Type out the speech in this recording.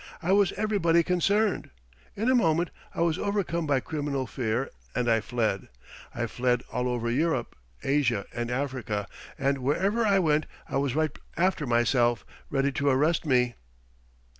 I was everybody concerned. In a moment I was overcome by criminal fear and I fled. I fled all over Europe, Asia, and Africa, and wherever I went I was right after myself, ready to arrest me."